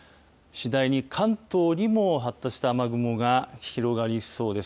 次第に関東にも発達した雨雲が広がりそうです。